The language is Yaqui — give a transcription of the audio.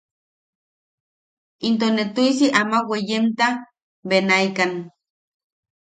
Into ne tuʼisi ama weeyenta benaikan.